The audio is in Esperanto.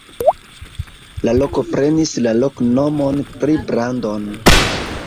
La loko prenis la loknomon pri Brandon.